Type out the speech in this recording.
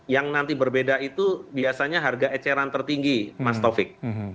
yang nanti berbeda itu biasanya harga eceran tertinggi mas taufik